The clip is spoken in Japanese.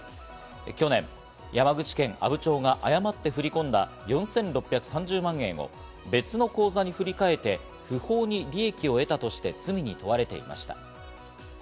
去年、山口県阿武町が誤って振り込んだ４６３０万円を別の口座に振り替えて、不法に利益を得たとして罪に問われていました。